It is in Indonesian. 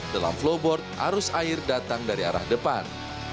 dalam flowboard arus air datang dari arah depan